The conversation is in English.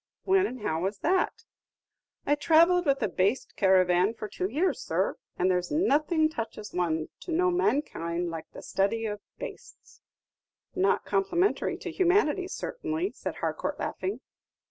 "When and how was that?" "I travelled with a baste caravan for two years, sir; and there's nothing taches one to know mankind like the study of bastes!" "Not complimentary to humanity, certainly," said Harcourt, laughing.